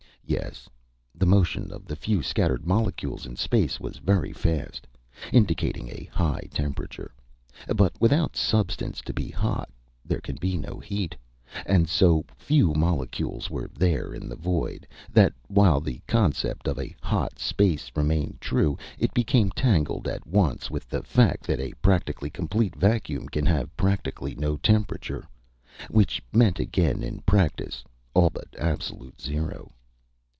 Yes the motion of the few scattered molecules in space was very fast indicating a high temperature. But without substance to be hot, there can be no heat. And so few molecules were there in the void, that while the concept of a "hot" space remained true, it became tangled at once with the fact that a practically complete vacuum can have practically no temperature. Which meant again in practice all but absolute zero.